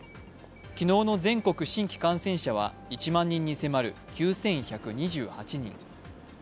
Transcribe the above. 昨日の全国新規感染者は１万人に迫る９１２８人。